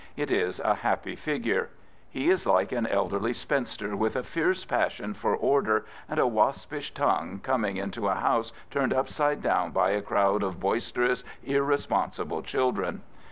'* It is a happy figure. He is like an elderly spinster, with a fierce passion for order and a waspish tongue, coming into a house turned upside down by a crowd of boisterous, irre sponsible children.